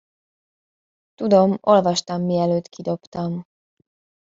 Tudom, olvastam, mielőtt kidobtam.